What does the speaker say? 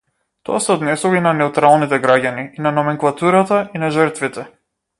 Тоа се однесува и на неутралните граѓани, и на номенклатурата, и на жртвите.